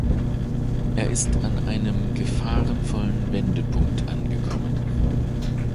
Er ist an einem gefahrvollen Wendepunkt angekommen.